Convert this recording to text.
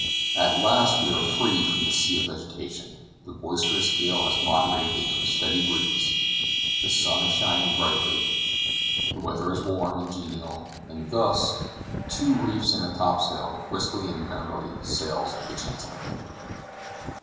At last we are free from the sea of vegetation, the boisterous gale has moderated into a steady breeze, the sun is shining brightly, the weather is warm and genial, and thus, two reefs in her top sails, briskly and merrily sails the Chancellor.